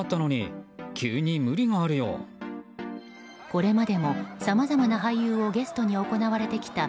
これまでもさまざまな俳優をゲストに行われてきた